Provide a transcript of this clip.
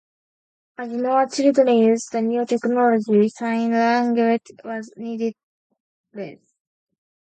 As more children used the new technology, sign language was needed less.